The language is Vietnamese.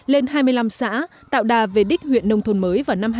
lên hai mươi năm xã tạo đà về đích huyện nông thôn mới vào năm hai nghìn hai mươi